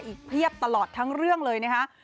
เพียบตลอดทั้งเรื่องเลยนะคะ